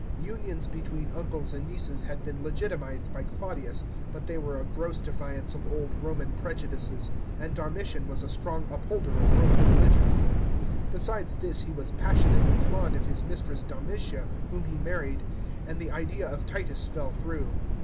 Unions between uncles and nieces had been legitimised by Claudius, but they were a gross defiance of old Roman prejudices, and Domitian was a strong upholder of Roman religion. Besides this he was passionately fond of his mistress Domitia, whom he married, and the idea of Titus fell through.